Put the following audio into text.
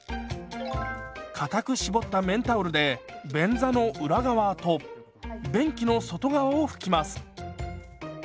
かたく絞った綿タオルで便座の裏側と便器の外側を拭きます。